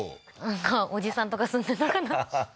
おじさんとか住んでるのかなははっ